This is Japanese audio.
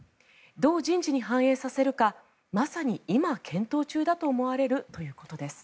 どう人事に反映させるかまさに今、検討中だと思われるということです。